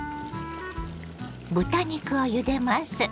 豚肉をゆでます。